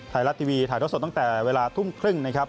ไทยรัฐทีวีถ่ายท่อสดตั้งแต่เวลาทุ่มครึ่งนะครับ